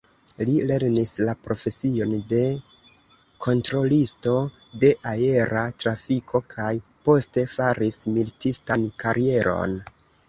Li lernis la profesion de kontrolisto de aera trafiko kaj poste faris militistan karieron.